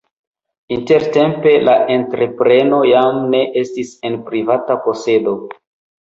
Intertempe la entrepreno jam ne estis en privata posedo.